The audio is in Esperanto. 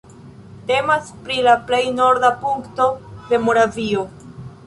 Temas pri la plej norda punkto de Moravio.